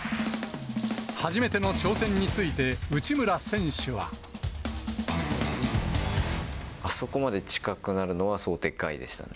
初めての挑戦について、内村選手は。あそこまで近くなるのは、想定外でしたね。